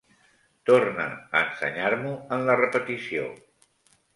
Torna a ensenyar-m'ho en la repetició